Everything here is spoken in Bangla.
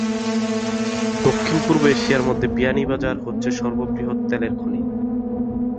দক্ষিণ পূর্ব এশিয়ার মধ্যে বিয়ানীবাজার হচ্ছে সর্ববৃহৎ তেলের খনি।